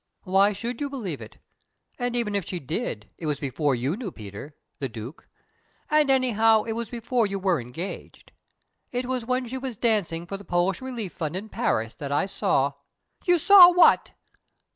"Why should you believe it? And even if she did, it was before you knew Peter the Duke. Or anyhow, it was before you were engaged. It was when she was dancing for the Polish Relief Fund in Paris, that I saw " "You saw what?"